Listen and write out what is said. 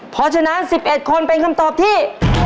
เพราะฉะนั้น๑๑คนเป็นคำตอบที่